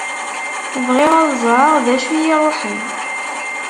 Bɣiɣ ad ẓreɣ d acu i y-iruḥen.